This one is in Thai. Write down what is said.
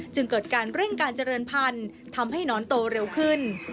จึงเกิดการเร่งการเจริญพันธุ์ทำให้หนอนโตเร็วขึ้น